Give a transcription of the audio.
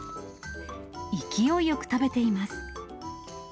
勢いよく食べています。